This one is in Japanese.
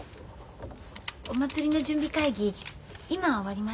お祭りの準備会議今終わりました。